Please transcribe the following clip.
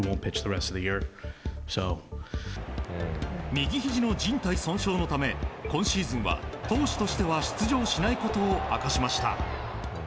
右ひじのじん帯損傷のため今シーズンは投手としては出場しないことを明かしました。